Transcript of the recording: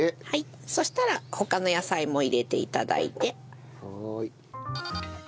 そしたら他の野菜も入れて頂いて。